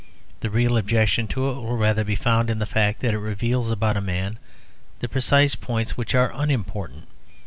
The real objection to it will rather be found in the fact that it reveals about a man the precise points which are unimportant.